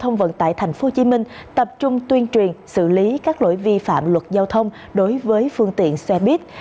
nên tập trung tuyên truyền xử lý các lỗi vi phạm luật giao thông đối với phương tiện xe buýt